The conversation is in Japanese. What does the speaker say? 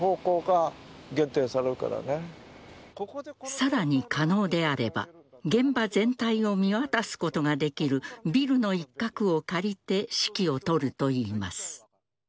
さらに可能であれば現場全体を見渡すことができるビルの一角を借りて指揮を執るといいます。